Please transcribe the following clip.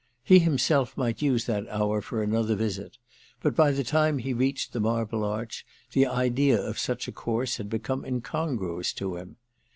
He himself might use that hour for another visit, but by the time he reached the Marble Arch the idea of such a course had become incongruous to him.